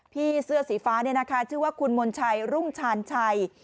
พี่เสื้อสีฟ้าเนี่ยนะคะชื่อว่าคุณมนชัยรุ่งชาญชัย